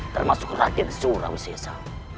termasuk raden surawisesa